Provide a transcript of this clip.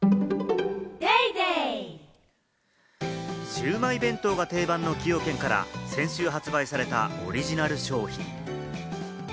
シウマイ弁当が定番の崎陽軒から先週発売されたオリジナル商品。